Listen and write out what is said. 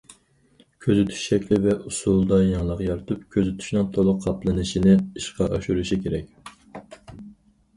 كۆزىتىش شەكلى ۋە ئۇسۇلىدا يېڭىلىق يارىتىپ، كۆزىتىشنىڭ تولۇق قاپلىنىشىنى ئىشقا ئاشۇرۇشى كېرەك.